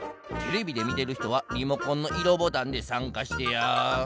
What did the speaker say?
テレビでみてる人はリモコンの色ボタンでさんかしてや。